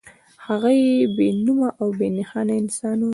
هغه يو بې نومه او بې نښانه انسان و.